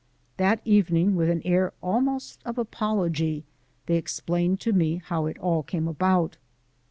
That evening, with an air almost of apology, they explained to me how it all came about.